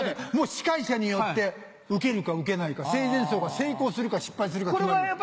司会者によってウケるかウケないか生前葬が成功するか失敗するか決まります。